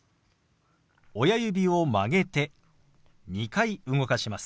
親指を曲げて２回動かします。